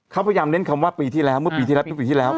เขาพยายามเน้นคำว่าปีที่แล้วเมื่อปีที่แล้วทุกปีที่แล้ว